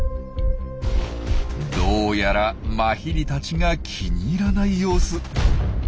どうやらマヒリたちが気に入らない様子。